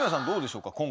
どうでしょうか